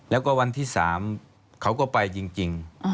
แล้วก็วันที่๓เขาก็ไปจริง